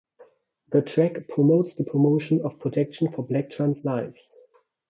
The track promotes the promotion of protection for black trans lives.